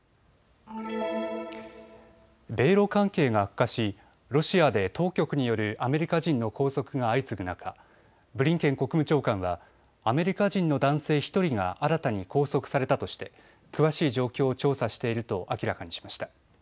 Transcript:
米ロ関係が悪化しロシアで当局によるアメリカ人の拘束が相次ぐ中、ブリンケン国務長官はアメリカ人の男性１人が新たに拘束されたとして詳しい状況を調査していると明らかにしました。